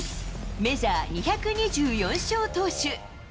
メジャー２２４勝投手。